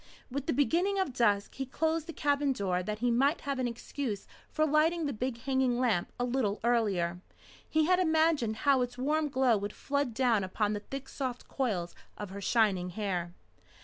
With the beginning of dusk he closed the cabin door that he might have an excuse for lighting the big hanging lamp a little earlier. He had imagined how its warm glow would flood down upon the thick soft coils of her shining hair.